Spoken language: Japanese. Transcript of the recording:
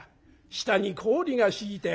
下に氷が敷いてある」。